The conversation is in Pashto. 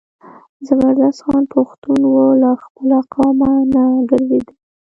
زبردست خان پښتون و له خپله قوله نه ګرځېدی.